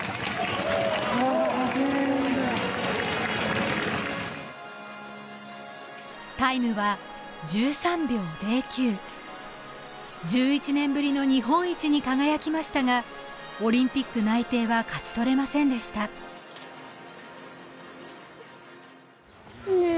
ああタイムは１３秒０９１１年ぶりの日本一に輝きましたがオリンピック内定は勝ち取れませんでしたねえ